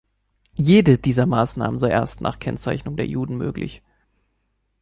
Jede dieser Maßnahmen sei erst nach Kennzeichnung der Juden möglich.